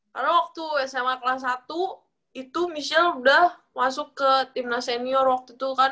karena waktu sma kelas satu itu michelle udah masuk ke timnas senior waktu itu kan